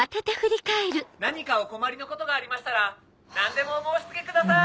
・何かお困りのことがありましたら何でもお申し付けください！